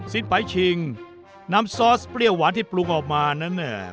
ไปชิงน้ำซอสเปรี้ยวหวานที่ปรุงออกมานั้นเนี่ย